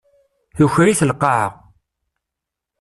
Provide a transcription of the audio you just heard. Tukert-it lqawɛa.